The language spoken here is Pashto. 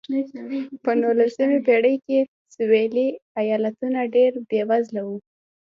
په نولسمې پېړۍ کې سوېلي ایالتونه ډېر بېوزله وو.